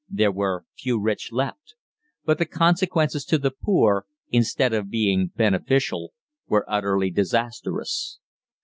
There were few rich left, but the consequences to the poor, instead of being beneficial, were utterly disastrous.